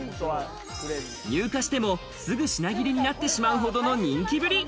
入荷しても、すぐ品切れになってしまうほどの人気ぶり。